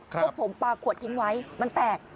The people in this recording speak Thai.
พวกผมปลาขวดทิ้งไว้มันแตก